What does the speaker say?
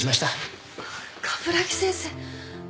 鏑木先生。